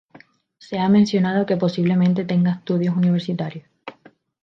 Se ha mencionado que posiblemente tenga estudios universitarios.